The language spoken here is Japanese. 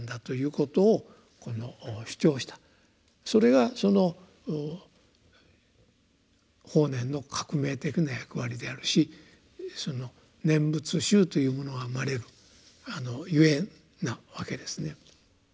それが法然の革命的な役割であるし「念仏集」というものが生まれるゆえんなわけですね。